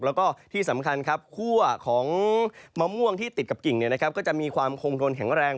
แล้วก็ที่สำคัญครับคั่วของมะม่วงที่ติดกับกิ่งก็จะมีความคงทนแข็งแรง